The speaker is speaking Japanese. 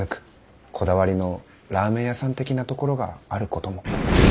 こだわりのラーメン屋さん的なところがあることも。